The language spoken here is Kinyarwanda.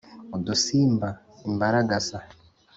udusimba : imbaragasa ;